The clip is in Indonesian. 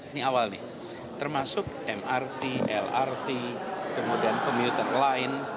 ini awal nih termasuk mrt lrt kemudian komuter lain